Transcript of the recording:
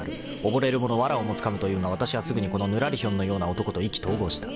溺れる者わらをもつかむというがわたしはすぐにこのぬらりひょんのような男と意気投合した］